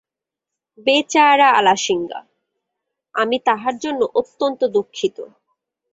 বেচারা আলাসিঙ্গা! আমি তাহার জন্য অত্যন্ত দুঃখিত।